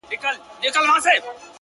• یوه ورځ عطار د ښار د باندي تللی,